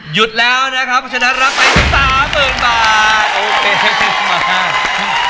หยุดแล้วนะครับเพราะฉะนั้นรับไปสามหมื่นบาทโอเคมา